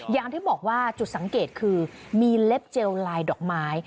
อย่างที่บอกว่าจุดสังเกตคือมีเล็บเจลลายดอกไม้